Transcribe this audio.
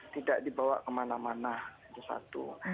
tidak dibawa kemana mana itu satu